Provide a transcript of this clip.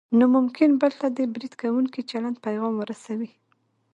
نو ممکن بل ته د برید کوونکي چلند پیغام ورسوي.